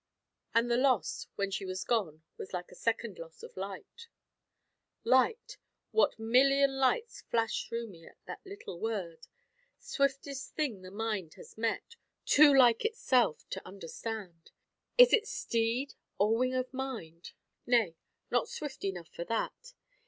And the loss, when she was gone, was like a second loss of light. Light! What million thoughts flash through me at that little word! Swiftest thing the mind has met, too like itself to understand. Is it steed or wing of mind? Nay, not swift enough for that.